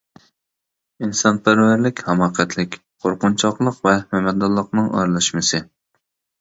ئىنسانپەرۋەرلىك ھاماقەتلىك، قورقۇنچاقلىق ۋە مەمەدانلىقنىڭ ئارىلاشمىسى.